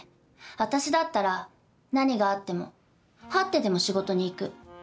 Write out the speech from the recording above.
私だったら何があってもはってでも仕事に行く。